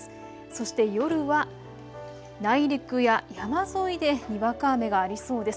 そして夜は内陸や山沿いでにわか雨がありそうです。